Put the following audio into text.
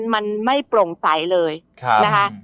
มันไม่โปร่งใสเลยนะคะ